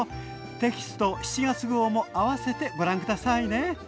テキスト７月号も併せてご覧下さいね。